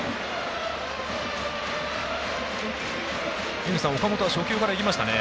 井口さん、岡本は初球からいきましたね。